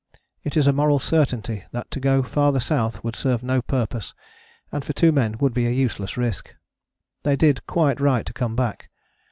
It is a moral certainty that to go farther south would serve no purpose, and for two men would be a useless risk. They did quite right to come back.